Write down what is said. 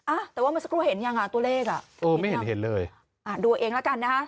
อ่ะแต่ว่าเมื่อสักครู่เห็นยังอ่ะตัวเลขอ่ะเออไม่เห็นเห็นเลยอ่าดูเอาเองแล้วกันนะฮะ